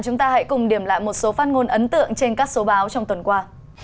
chúng ta hãy cùng điểm lại một số phát ngôn ấn tượng trên các số báo trong tuần qua